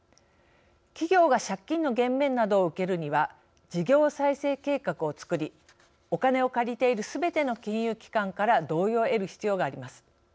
企業が、借金の減免などを受けるには事業再生計画をつくりお金を借りているすべての金融機関から同意を得る必要があります。